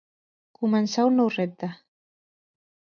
Començar un nou repte.